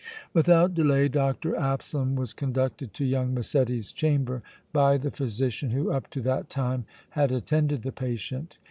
Without delay Dr. Absalom was conducted to young Massetti's chamber by the physician who up to that time had attended the patient.